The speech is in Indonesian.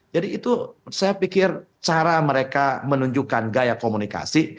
jadi itu saya pikir cara mereka menunjukkan gaya komunikasi